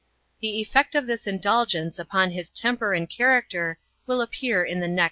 The effect of this indulgence upon his temper and character will appear in the next chapter.